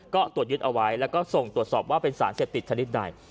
ก็ตรวจยึดเอาไว้แล้วก็ส่งตรวจสอบว่าเป็นสารเสพติดชนิดใด